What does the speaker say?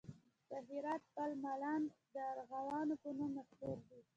د هرات پل مالان د ارغوانو په نوم مشهور دی